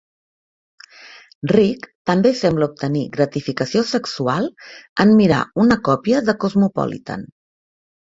Rik també sembla obtenir gratificació sexual en mirar una còpia de "Cosmopolitan".